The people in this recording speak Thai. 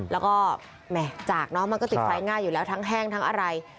แล้วก็แหม่จากเนอะมันก็ติดไฟง่ายอยู่แล้วทั้งแห้งทั้งอะไร